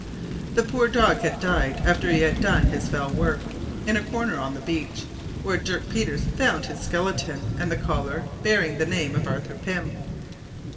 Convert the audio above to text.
The poor dog had died, after he had done his fell work, in a corner on the beach, where Dirk Peters found his skeleton and the collar bearing the name of Arthur Pym.